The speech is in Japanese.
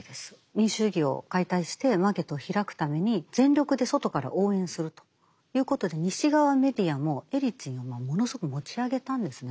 民主主義を解体してマーケットを開くために全力で外から応援するということで西側メディアもエリツィンをものすごく持ち上げたんですね